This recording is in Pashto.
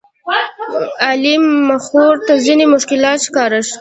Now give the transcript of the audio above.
علي مخورو ته ځینې مشکلات ښکاره کړل.